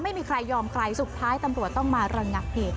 ไม่มีใครยอมใครสุดท้ายจากทำรับเหตุ